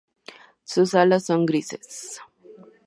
Sus alas son grises.